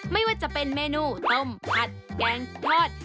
ไม่ว่าจะเป็นเมนูต้มผัดแกงทอด